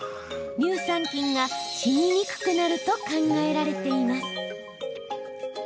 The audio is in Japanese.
乳酸菌が死ににくくなると考えられています。